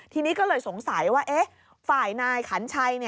ทีนี้ก็เลยสงสัยว่าฝ่ายนายขันชัย